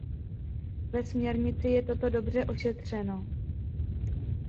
Ve směrnici je toto dobře ošetřeno.